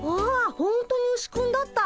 ほんとにウシくんだった。